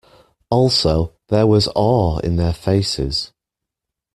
Also, there was awe in their faces.